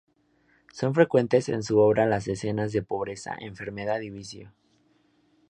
Son frecuentes en su obra las escenas de pobreza, enfermedad y vicio.